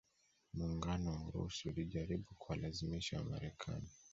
Muungano wa Urusi ulijaribu kuwalazimisha Wamarekani